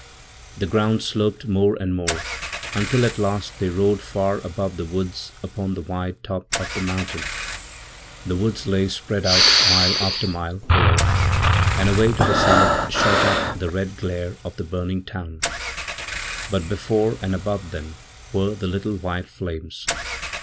The ground sloped moreand more until at last they rode far above the woods upon the widetop of the mountain. The woods lay spread out mile after mile below, and away to the south shot up the red glare of the burning town. Butbefore and above them were the little white flames.